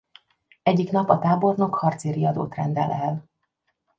Egyik nap a tábornok harci riadót rendel el.